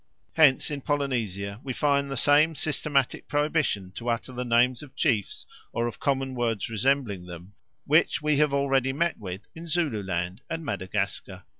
Hence in Polynesia we find the same systematic prohibition to utter the names of chiefs or of common words resembling them which we have already met with in Zululand and Madagascar.